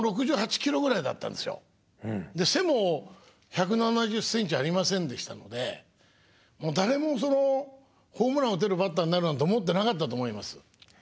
背も１７０ｃｍありませんでしたので誰もホームラン打てるバッターになるなんて思ってなかったと思います。